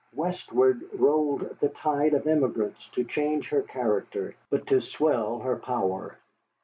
Westward rolled the tide of emigrants to change her character, but to swell her power.